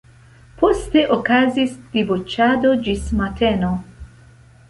Poste okazis diboĉado ĝis mateno.